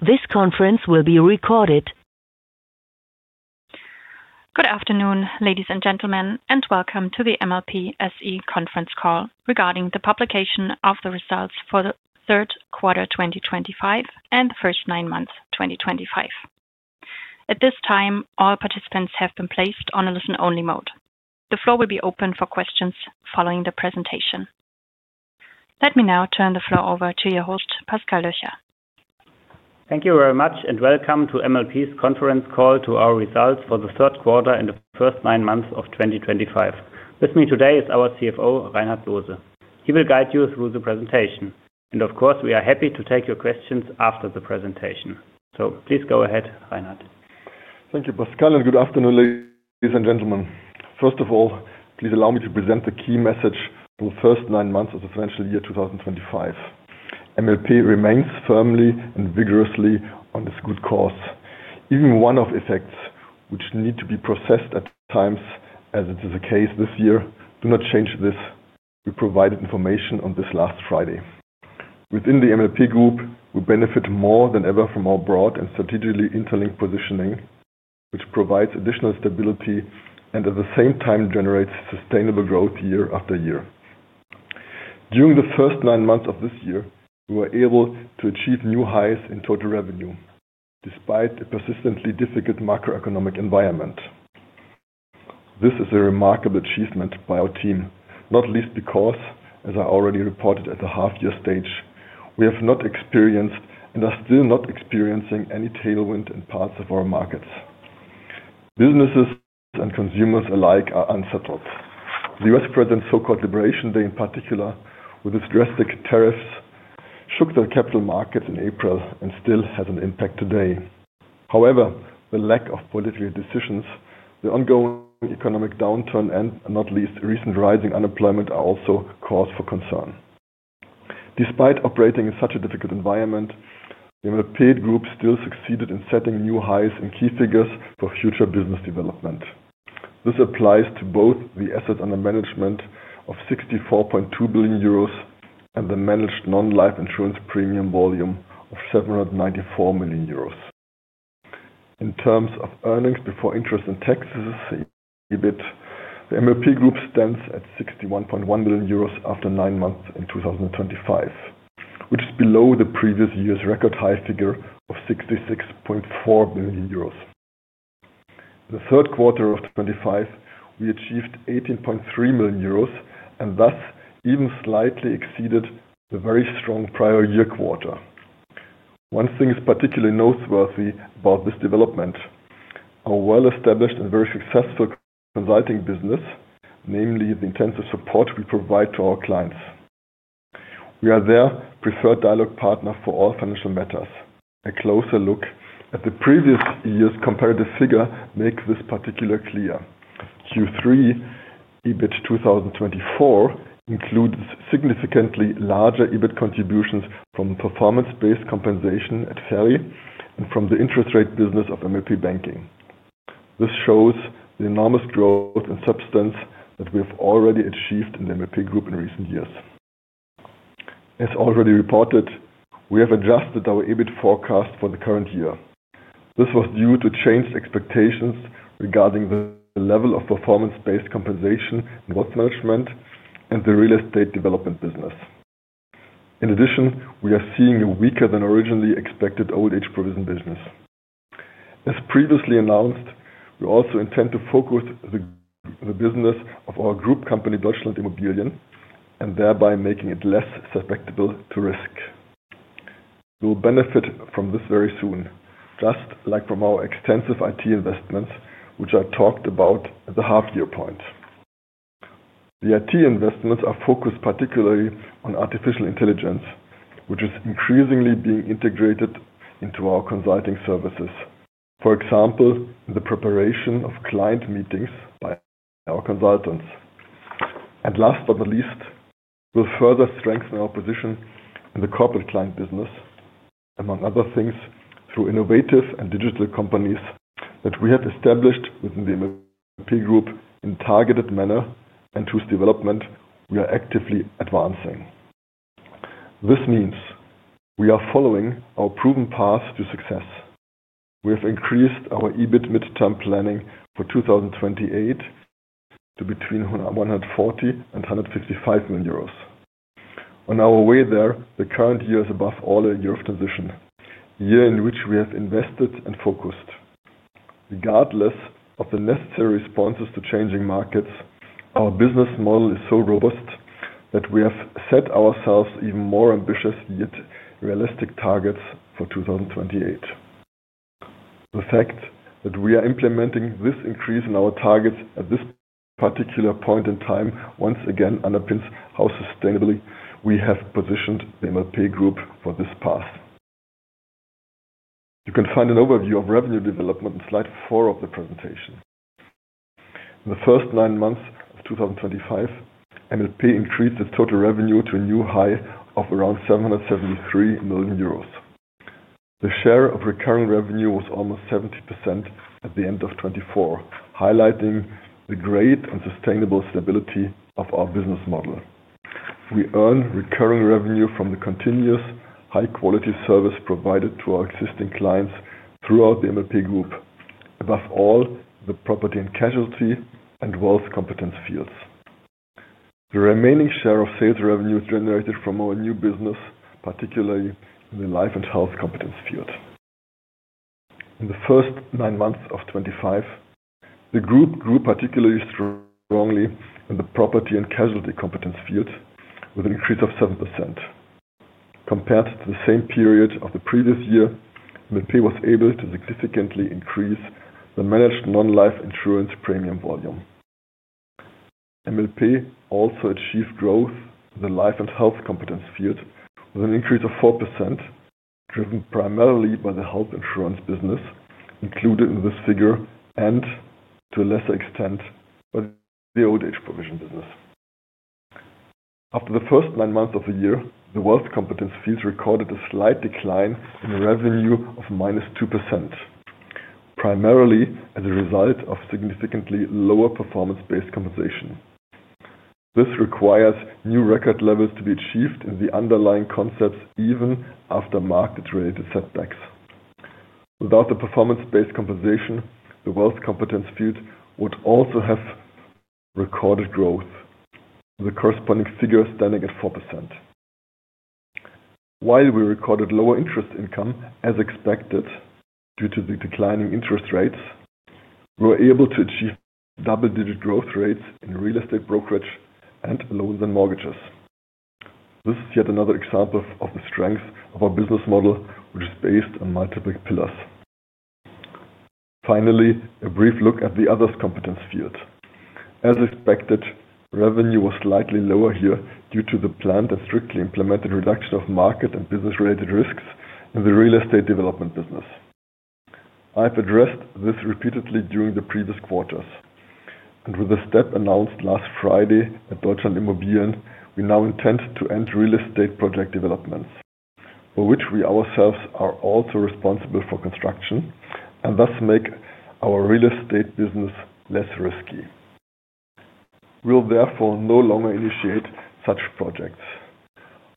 This conference will be recorded. Good afternoon, ladies and gentlemen, and welcome to the MLP SE Conference Call regarding the publication of the Results for the Third Quarter 2025 and the First Nine Months 2025. At this time, all participants have been placed on a listen-only mode. The floor will be open for questions following the presentation. Let me now turn the floor over to your host, Pascal Löcher. Thank you very much, and welcome to MLP's Conference Call to our Results for the Third Quarter and the First Nine Months of 2025. With me today is our CFO, Reinhard Loose. He will guide you through the presentation. Of course, we are happy to take your questions after the presentation. Please go ahead, Reinhard. Thank you, Pascal, and good afternoon, ladies and gentlemen. First of all, please allow me to present the key message for the first nine months of the financial year 2025. MLP remains firmly and vigorously on its good course. Even one-off effects, which need to be processed at times, as it is the case this year, do not change this. We provided information on this last Friday. Within the MLP Group, we benefit more than ever from our broad and strategically interlinked positioning, which provides additional stability and at the same time generates sustainable growth year-after-year. During the first nine months of this year, we were able to achieve new highs in total revenue despite a persistently difficult macroeconomic environment. This is a remarkable achievement by our team, not least because, as I already reported at the half-year stage, we have not experienced and are still not experiencing any tailwind in parts of our markets. Businesses and consumers alike are unsettled. The U.S. President's so-called Liberation Day, in particular, with its drastic tariffs, shook the capital markets in April and still has an impact today. However, the lack of political decisions, the ongoing economic downturn, and not least recent rising unemployment are also cause for concern. Despite operating in such a difficult environment, the MLP Group still succeeded in setting new highs in key figures for future business development. This applies to both the assets under management of 64.2 billion euros and the managed non-life insurance premium volume of 794 million euros. In terms of earnings before interest and taxes, the MLP Group stands at 61.1 million euros after nine months in 2025, which is below the previous year's record high figure of 66.4 million euros. In the third quarter of 2025, we achieved 18.3 million euros and thus, even slightly exceeded, the very strong prior year quarter. One thing is particularly noteworthy about this development: our well-established and very successful consulting business, namely the intensive support we provide to our clients. We are their preferred dialogue partner for all financial matters. A closer look at the previous year's comparative figure makes this particularly clear. Q3 EBIT 2024 includes significantly larger EBIT contributions from performance-based compensation at FERI and from the interest rate business of MLP Banking. This shows the enormous growth and substance that we have already achieved in the MLP Group in recent years. As already reported, we have adjusted our EBIT forecast for the current year. This was due to changed expectations regarding the level of performance-based compensation in wealth management and the real estate development business. In addition, we are seeing a weaker than originally expected old-age provision business. As previously announced, we also intend to focus the business of our group company, Deutschland.Immobilien, and thereby making it less susceptible to risk. We will benefit from this very soon, just like from our extensive IT investments, which I talked about at the half-year point. The IT investments are focused particularly on artificial intelligence, which is increasingly being integrated into our consulting services, for example, in the preparation of client meetings by our consultants. Last but not least, we'll further strengthen our position in the corporate client business, among other things, through innovative and digital companies that we have established within the MLP Group in a targeted manner and whose development we are actively advancing. This means we are following our proven path to success. We have increased our EBIT midterm planning for 2028 to between 140 million euros and 155 million euros. On our way there, the current year is above all a year of transition, a year in which we have invested and focused. Regardless of the necessary responses to changing markets, our business model is so robust that we have set ourselves even more ambitious yet realistic targets for 2028. The fact that we are implementing this increase in our targets at this particular point in time once again underpins how sustainably we have positioned the MLP group for this path. You can find an overview of revenue development in slide four of the presentation. In the first nine months of 2025, MLP increased its total revenue to a new high of around 773 million euros. The share of recurring revenue was almost 70% at the end of 2024, highlighting the great and sustainable stability of our business model. We earn recurring revenue from the continuous high-quality service provided to our existing clients throughout the MLP Group, above all the Property & Casualty and Wealth competence fields. The remaining share of sales revenue is generated from our new business, particularly in the Life & Health competence field. In the first nine months of 2025, the Group grew particularly strongly in the Property & Casualty competence fields with an increase of 7%. Compared to the same period of the previous year, MLP was able to significantly increase the managed non-life insurance premium volume. MLP also achieved growth in the Life & Health competence fields with an increase of 4%, driven primarily by the health insurance business included in this figure and to a lesser extent by the old-age provision business. After the first nine months of the year, the Wealth competence fields recorded a slight decline in revenue of -2%, primarily as a result of significantly lower performance-based compensation. This requires new record levels to be achieved in the underlying concepts even after market-related setbacks. Without the performance-based compensation, the wealth competence fields would also have recorded growth, with the corresponding figure standing at 4%. While we recorded lower interest income as expected due to the declining interest rates, we were able to achieve double-digit growth rates in real estate brokerage and loans and mortgages. This is yet another example of the strength of our business model, which is based on multiple pillars. Finally, a brief look at the others competence field. As expected, revenue was slightly lower here due to the planned and strictly implemented reduction of market and business-related risks in the real estate development business. I have addressed this repeatedly during the previous quarters. With the step announced last Friday at Deutschland.Immobilien, we now intend to end real estate project developments, for which we ourselves are also responsible for construction and thus make our real estate business less risky. We will therefore no longer initiate such projects.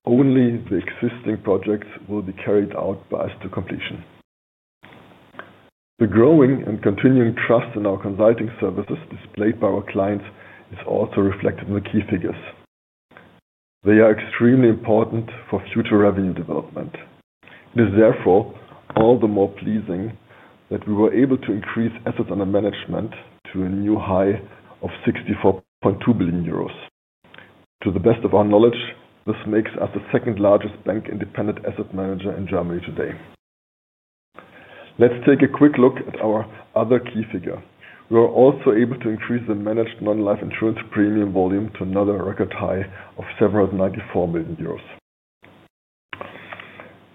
Only the existing projects will be carried out by us to completion. The growing and continuing trust in our consulting services displayed by our clients is also reflected in the key figures. They are extremely important for future revenue development. It is therefore all the more pleasing that we were able to increase assets under management to a new high of 64.2 billion euros. To the best of our knowledge, this makes us the second largest bank-independent asset manager in Germany today. Let's take a quick look at our other key figure. We were also able to increase the managed non-life insurance premium volume to another record high of 794 million euros.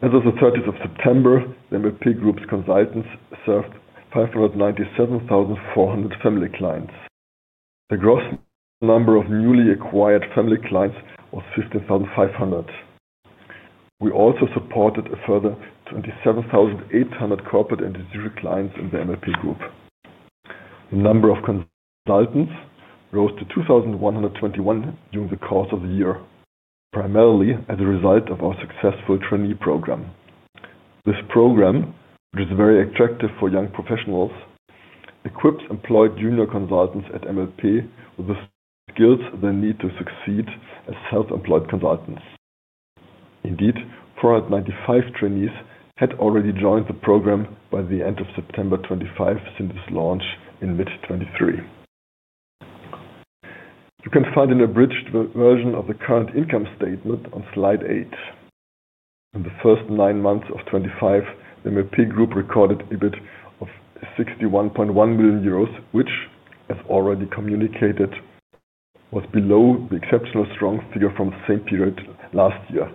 As of the 30th of September, the MLP Group's consultants served 597,400 family clients. The gross number of newly acquired family clients was 15,500. We also supported a further 27,800 corporate and digital clients in the MLP Group. The number of consultants rose to 2,121 during the course of the year, primarily as a result of our successful trainee program. This program, which is very attractive for young professionals, equips employed junior consultants at MLP with the skills they need to succeed as self-employed consultants. Indeed, 495 trainees had already joined the program by the end of September 2025 since its launch in mid-2023. You can find an abridged version of the current income statement on slide eight. In the first nine months of 2025, the MLP group recorded EBIT of 61.1 million euros, which, as already communicated, was below the exceptionally strong figure from the same period last year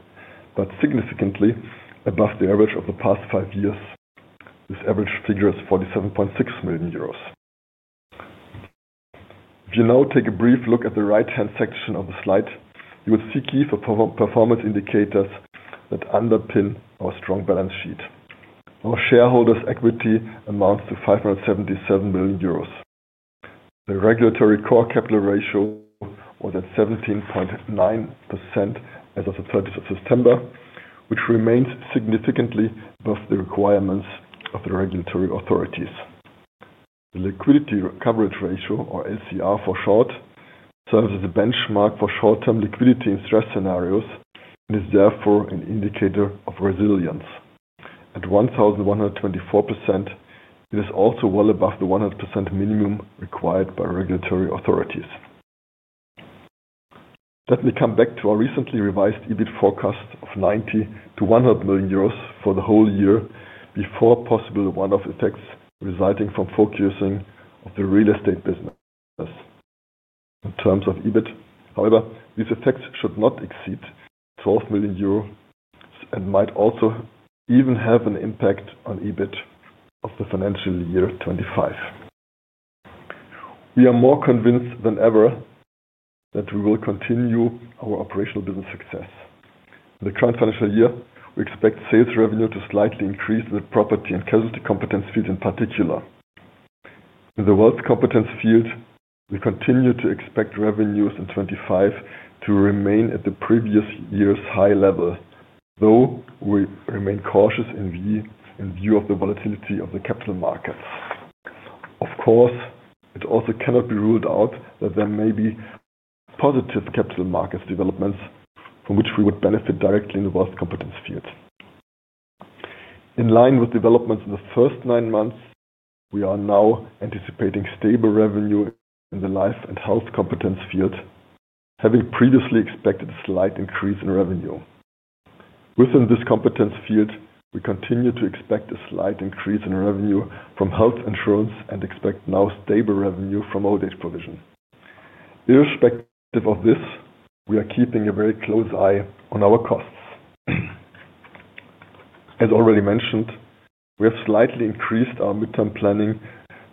but significantly above the average of the past five years. This average figure is 47.6 million euros. If you now take a brief look at the right-hand section of the slide, you will see key performance indicators that underpin our strong balance sheet. Our shareholders' equity amounts to 577 million euros. The regulatory core capital ratio was at 17.9% as of the 30th of September, which remains significantly above the requirements of the regulatory authorities. The liquidity coverage ratio, or LCR for short, serves as a benchmark for short-term liquidity in stress scenarios and is therefore an indicator of resilience. At 1,124%, it is also well above the 100% minimum required by regulatory authorities. Let me come back to our recently revised EBIT forecast of 90 million-100 million euros for the whole year before possible one-off effects resulting from focusing on the real estate business. In terms of EBIT, however, these effects should not exceed 12 million euros and might also even have an impact on EBIT of the financial year 2025. We are more convinced than ever that we will continue our operational business success. In the current financial year, we expect sales revenue to slightly increase in the property and casualty competence field in particular. In the Wealth competence field, we continue to expect revenues in 2025 to remain at the previous year's high level, though we remain cautious in view of the volatility of the capital markets. Of course, it also cannot be ruled out that there may be positive capital markets developments from which we would benefit directly in the Wealth competence field. In line with developments in the first nine months, we are now anticipating stable revenue in the Life & Health competence field, having previously expected a slight increase in revenue. Within this competence field, we continue to expect a slight increase in revenue from health insurance and expect now stable revenue from old-age provision. Irrespective of this, we are keeping a very close eye on our costs. As already mentioned, we have slightly increased our midterm planning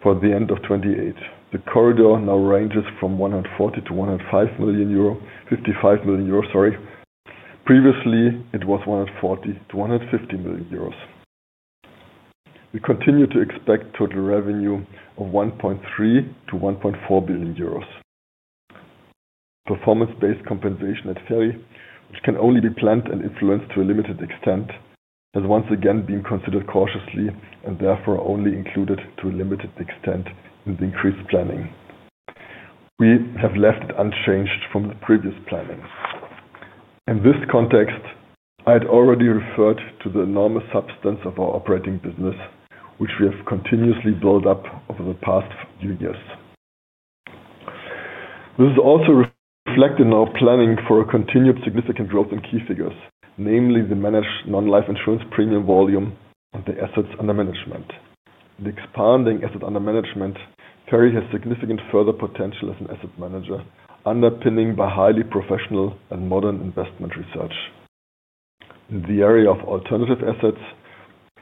for the end of 2028. The corridor now ranges from 140 million-155 million euro. Previously, it was 140 million-150 million euros. We continue to expect total revenue of 1.3 billion-1.4 billion euros. Performance-based compensation at FERI, which can only be planned and influenced to a limited extent, has once again been considered cautiously and therefore only included to a limited extent in the increased planning. We have left it unchanged from the previous planning. In this context, I had already referred to the enormous substance of our operating business, which we have continuously built up over the past few years. This is also reflected in our planning for a continued significant growth in key figures, namely the managed non-life insurance premium volume and the assets under management. The expanding assets under management, FERI has significant further potential as an asset manager, underpinned by highly professional and modern investment research. In the area of alternative assets,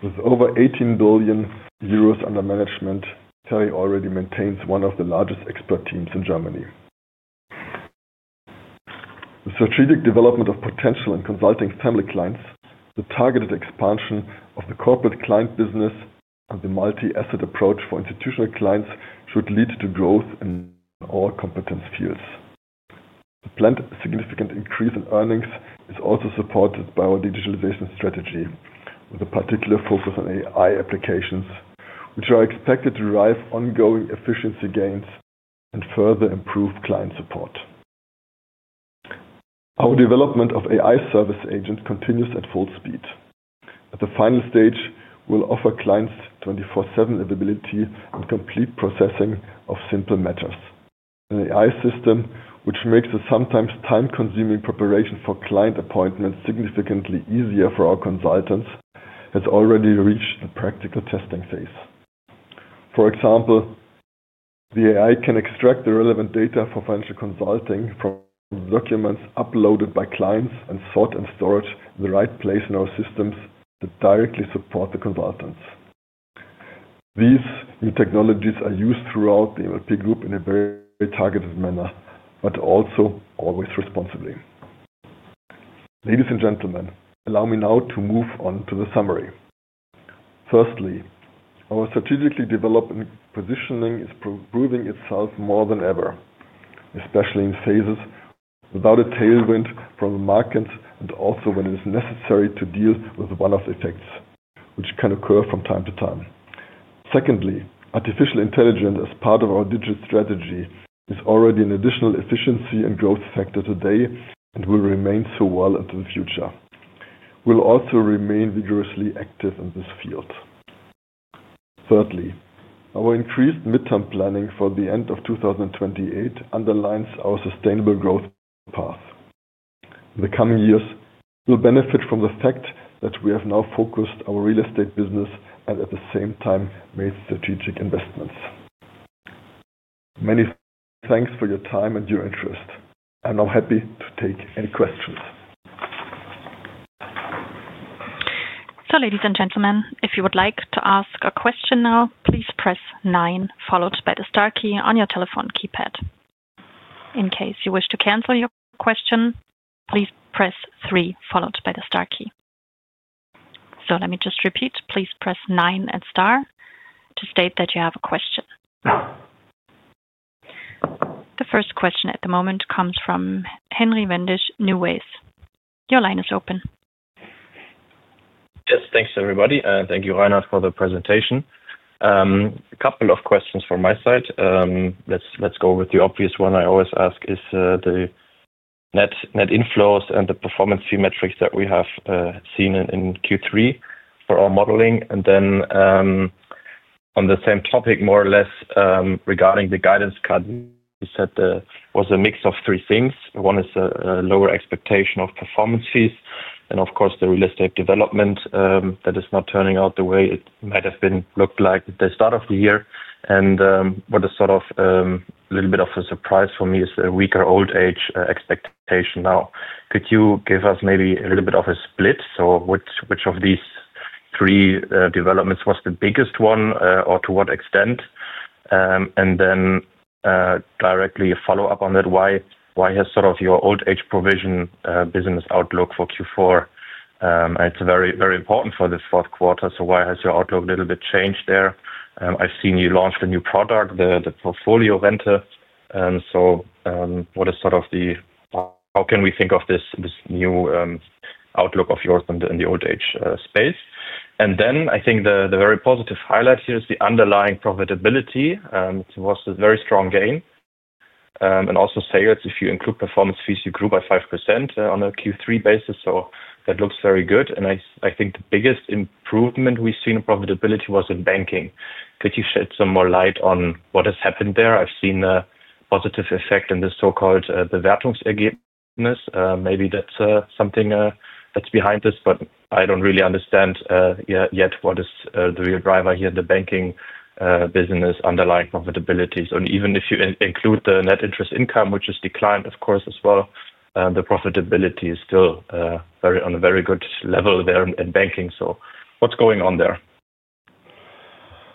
with over 18 billion euros under management, FERI already maintains one of the largest expert teams in Germany. The strategic development of potential and consulting family clients, the targeted expansion of the corporate client business, and the multi-asset approach for institutional clients should lead to growth in all competence fields. The planned significant increase in earnings is also supported by our digitalization strategy, with a particular focus on AI applications, which are expected to drive ongoing efficiency gains and further improve client support. Our development of AI service agents continues at full speed. At the final stage, we will offer clients 24/7 availability and complete processing of simple matters. An AI system, which makes the sometimes time-consuming preparation for client appointments significantly easier for our consultants, has already reached the practical testing phase. For example, the AI can extract the relevant data for financial consulting from documents uploaded by clients and sort and store it in the right place in our systems that directly support the consultants. These new technologies are used throughout the MLP Group in a very targeted manner, but also always responsibly. Ladies and gentlemen, allow me now to move on to the summary. Firstly, our strategically developed positioning is proving itself more than ever, especially in phases without a tailwind from the markets and also when it is necessary to deal with one-off effects, which can occur from time to time. Secondly, artificial intelligence as part of our digital strategy is already an additional efficiency and growth factor today and will remain so well into the future. We will also remain vigorously active in this field. Thirdly, our increased midterm planning for the end of 2028 underlines our sustainable growth path. In the coming years, we will benefit from the fact that we have now focused our real estate business and at the same time made strategic investments. Many thanks for your time and your interest. I'm now happy to take any questions. Ladies and gentlemen, if you would like to ask a question now, please press nine followed by the star key on your telephone keypad. In case you wish to cancel your question, please press three followed by the star key. Let me just repeat, please press nine and star to state that you have a question. The first question at the moment comes from Henry Wendisch, NuWays. Your line is open. Yes, thanks everybody. Thank you, Reinhard, for the presentation. A couple of questions from my side. Let's go with the obvious one. I always ask is the net inflows and the performance fee metrics that we have seen in Q3 for our modeling. On the same topic, more or less regarding the guidance card, we said there was a mix of three things. One is a lower expectation of performance fees and, of course, the real estate development that is not turning out the way it might have been looked like at the start of the year. What is sort of a little bit of a surprise for me is a weaker old-age expectation now. Could you give us maybe a little bit of a split? Which of these three developments was the biggest one or to what extent? Then directly a follow-up on that, why has sort of your old-age provision business outlook for Q4? It is very, very important for the fourth quarter, so why has your outlook a little bit changed there? I have seen you launched a new product, the Portfoliorente. What is sort of the, how can we think of this new outlook of yours in the old-age space? I think the very positive highlight here is the underlying profitability. It was a very strong gain. Also, sales, if you include performance fees, you grew by 5% on a Q3 basis, so that looks very good. I think the biggest improvement we have seen in profitability was in banking. Could you shed some more light on what has happened there? I have seen a positive effect in the so-called Bewertungsergebnis. Maybe that's something that's behind this, but I don't really understand yet what is the real driver here in the banking business underlying profitability. Even if you include the net interest income, which is declined, of course, as well, the profitability is still on a very good level there in banking. What's going on there?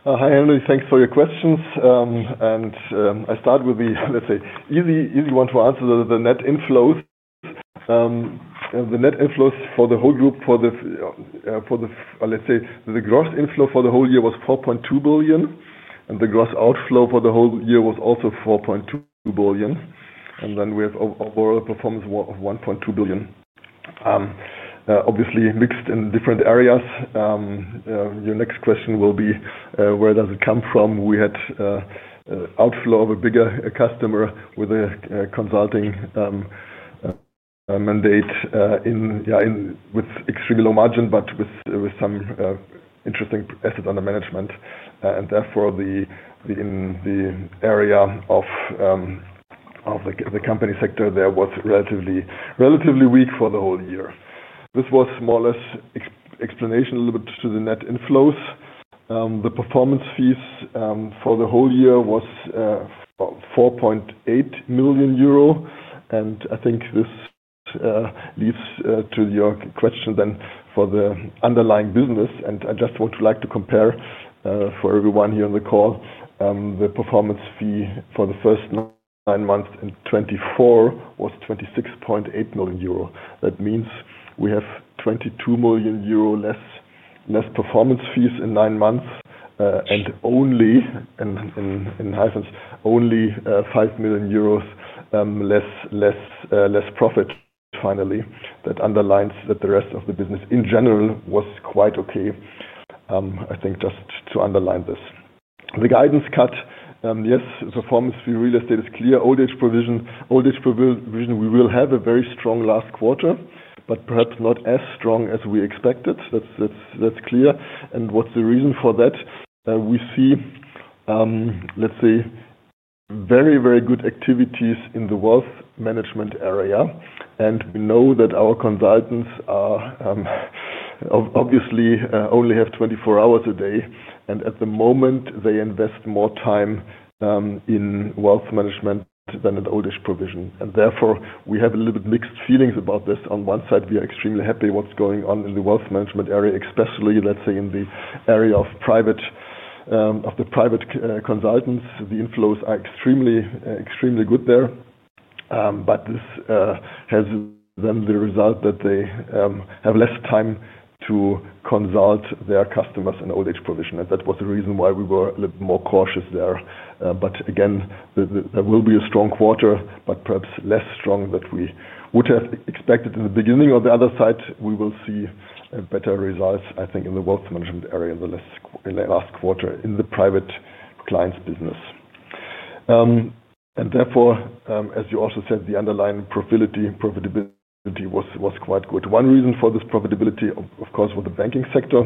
Hi, Henry. Thanks for your questions. I start with the, let's say, easy one to answer, the net inflows. The net inflows for the whole group, for the, let's say, the gross inflow for the whole year was 4.2 billion. The gross outflow for the whole year was also 4.2 billion. We have overall performance of 1.2 billion, obviously mixed in different areas. Your next question will be where does it come from? We had outflow of a bigger customer with a consulting mandate with extremely low margin, but with some interesting assets under management. Therefore, in the area of the company sector, there was relatively weak for the whole year. This was more or less explanation a little bit to the net inflows. The performance fees for the whole year was 4.8 million euro. I think this leads to your question then for the underlying business. I just would like to compare for everyone here on the call, the performance fee for the first nine months in 2024 was 26.8 million euro. That means we have 22 million euro less performance fees in nine months and only, in hyphens, only 5 million euros less profit finally. That underlines that the rest of the business in general was quite okay, I think, just to underline this. The guidance cut, yes, performance fee real estate is clear. Old-age provision, we will have a very strong last quarter, but perhaps not as strong as we expected. That is clear. What is the reason for that? We see, let's say, very, very good activities in the wealth management area. We know that our consultants obviously only have 24 hours a day. At the moment, they invest more time in wealth management than in old-age provision. Therefore, we have a little bit mixed feelings about this. On one side, we are extremely happy with what is going on in the wealth management area, especially, let's say, in the area of the private consultants. The inflows are extremely good there. This has the result that they have less time to consult their customers in old-age provision. That was the reason why we were a little bit more cautious there. Again, there will be a strong quarter, but perhaps less strong than we would have expected in the beginning. On the other side, we will see better results, I think, in the wealth management area in the last quarter in the private clients' business. Therefore, as you also said, the underlying profitability was quite good. One reason for this profitability, of course, was the banking sector.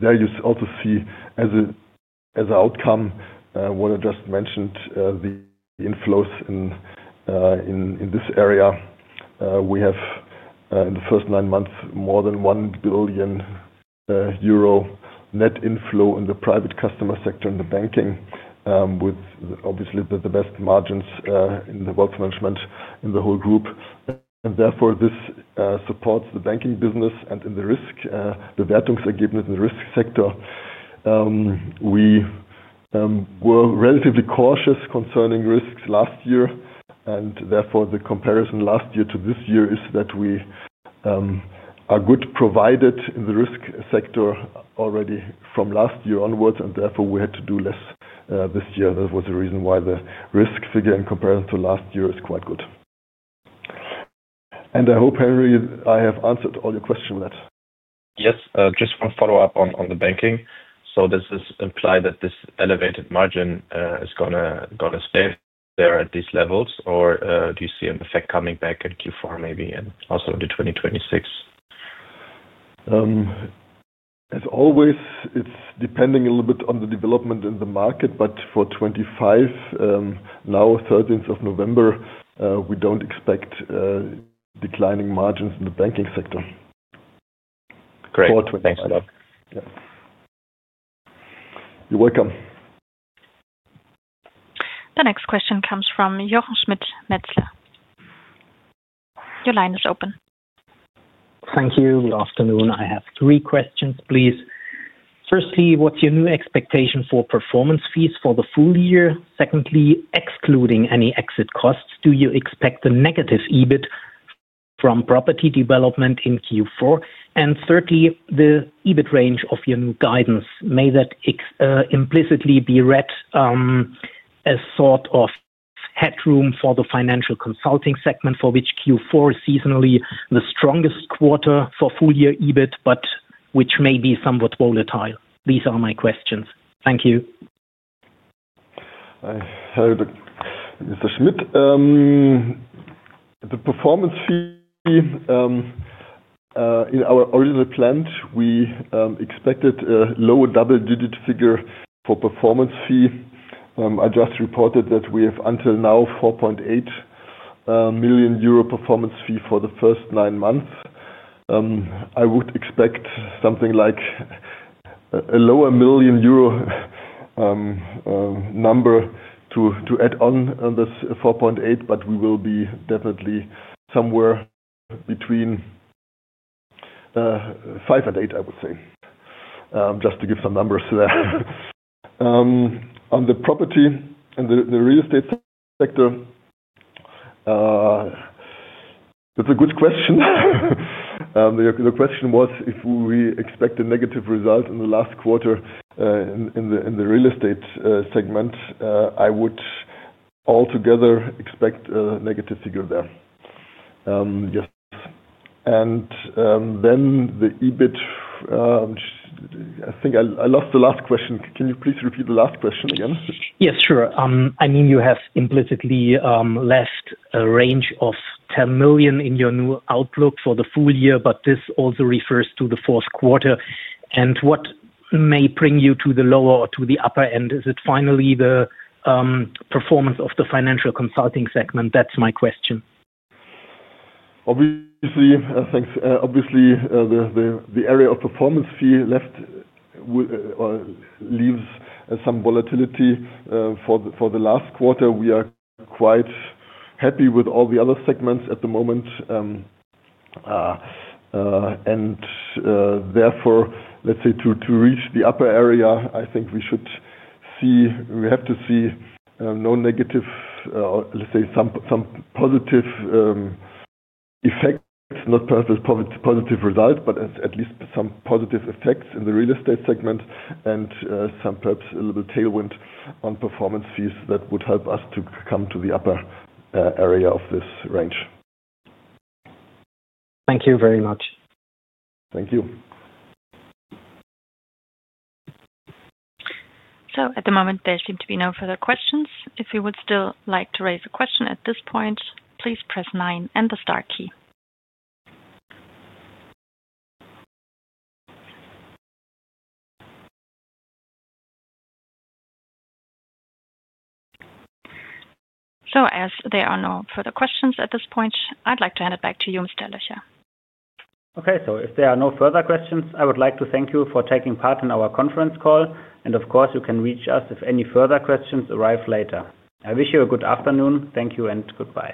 There you also see as an outcome what I just mentioned, the inflows in this area. We have, in the first nine months, more than 1 billion euro net inflow in the private customer sector in the banking, with obviously the best margins in the wealth management in the whole group. This supports the banking business and in the risk, Bewertungsergebnis, in the risk sector. We were relatively cautious concerning risks last year. The comparison last year to this year is that we are good provided in the risk sector already from last year onwards. We had to do less this year. That was the reason why the risk figure in comparison to last year is quite good. I hope, Henry, I have answered all your questions with that. Yes, just one follow-up on the banking. Does this imply that this elevated margin is going to stay there at these levels, or do you see an effect coming back in Q4 maybe and also in 2026? As always, it's depending a little bit on the development in the market. For 2025, now 13th of November, we don't expect declining margins in the banking sector for 2025. Great. Thanks a lot. You're welcome. The next question comes from Jochen Schmitt, Metzler. Your line is open. Thank you. Good afternoon. I have three questions, please. Firstly, what's your new expectation for performance fees for the full year? Secondly, excluding any exit costs, do you expect a negative EBIT from property development in Q4? And thirdly, the EBIT range of your new guidance, may that implicitly be read as sort of headroom for the financial consulting segment for which Q4 is seasonally the strongest quarter for full-year EBIT, but which may be somewhat volatile? These are my questions. Thank you. Hello, Mr. Schmitt. The performance fee in our original plan, we expected a lower double-digit figure for performance fee. I just reported that we have until now 4.8 million euro performance fee for the first nine months. I would expect something like a lower million-euro number to add on this 4.8 million, but we will be definitely somewhere between 5 million-8 million, I would say, just to give some numbers there. On the property and the real estate sector, that's a good question. The question was if we expect a negative result in the last quarter in the real estate segment, I would altogether expect a negative figure there. Yes. And then the EBIT, I think I lost the last question. Can you please repeat the last question again? Yes, sure. I mean, you have implicitly left a range of 10 million in your new outlook for the full year, but this also refers to the fourth quarter. What may bring you to the lower or to the upper end? Is it finally the performance of the financial consulting segment? That's my question. Obviously, the area of performance fee leaves some volatility for the last quarter. We are quite happy with all the other segments at the moment. Therefore, let's say, to reach the upper area, I think we should see we have to see no negative, let's say, some positive effect, not perhaps a positive result, but at least some positive effects in the real estate segment and some perhaps a little tailwind on performance fees that would help us to come to the upper area of this range. Thank you very much. Thank you. At the moment, there seem to be no further questions. If you would still like to raise a question at this point, please press nine and the star key. As there are no further questions at this point, I'd like to hand it back to you, Mr. Löcher. Okay. If there are no further questions, I would like to thank you for taking part in our conference call. Of course, you can reach us if any further questions arrive later. I wish you a good afternoon. Thank you and goodbye.